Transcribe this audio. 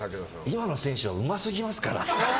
今の選手はうますぎますから。